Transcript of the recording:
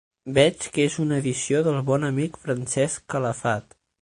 Veig que és una edició del bon amic Francesc Calafat.